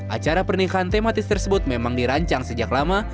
acara pernikahan tematis tersebut memang dirancang sejak lama